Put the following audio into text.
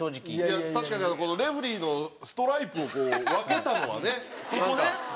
いや確かにこのレフェリーのストライプを分けたのはねなんか。